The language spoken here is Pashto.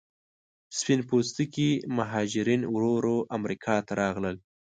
سپین پوستکي مهاجرین ورو ورو امریکا ته راغلل.